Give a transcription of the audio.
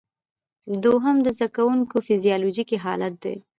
دوهم د زده کوونکي فزیالوجیکي حالت دی.